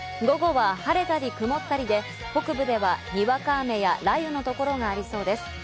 午後は晴れたり曇ったりで北部ではにわか雨や雷雨の所がありそうです。